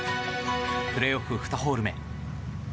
プレーオフ２ホール目。